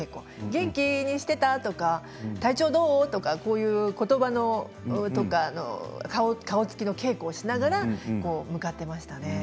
元気にしてた？とか体調はどう？とか言葉とか顔つきの稽古をしながらも会っていましたね。